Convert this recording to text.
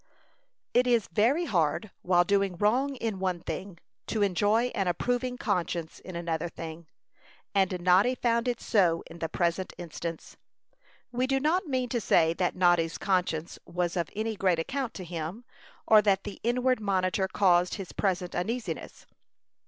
It is very hard, while doing wrong in one thing, to enjoy an approving conscience in another thing; and Noddy found it so in the present instance. We do not mean to say that Noddy's conscience was of any great account to him, or that the inward monitor caused his present uneasiness.